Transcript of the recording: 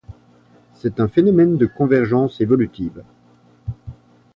C'est un phénomène de convergence évolutive.